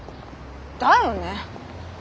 だよね？